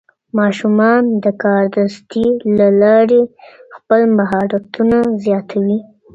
ماشومان د کاردستي له لارې خپل مهارتونه زیاتوي.